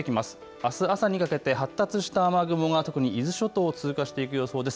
あす朝にかけて発達した雨雲が特に伊豆諸島を通過していく予想です。